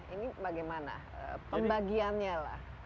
ini bagaimana pembagiannya lah